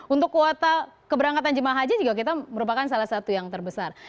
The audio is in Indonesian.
untuk kuota keberangkatan jemaah haji juga kita merupakan salah satu yang terbesar